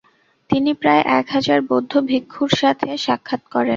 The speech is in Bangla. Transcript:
তিনি প্রায় এক হাজার বৌদ্ধ ভিক্ষুর সাথে সাক্ষাৎ করেন।